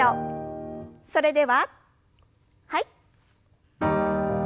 それでははい。